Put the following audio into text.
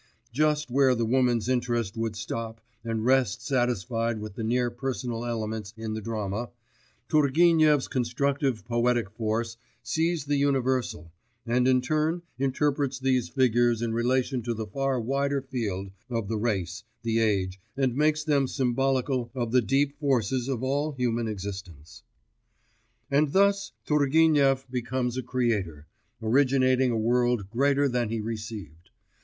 Just where the woman's interest would stop and rest satisfied with the near personal elements in the drama, Turgenev's constructive poetic force sees the universal, and in turn interprets these figures in relation to the far wider field of the race, the age, and makes them symbolical of the deep forces of all human existence. And thus Turgenev becomes a creator, originating a world greater than he received.